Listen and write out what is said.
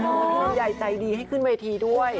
ตอนนี้รำไยล์ูหนูใจดีให้ขึ้นเวทีด้วย